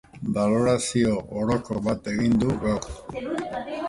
Balorazio orokor bat egin du gaur.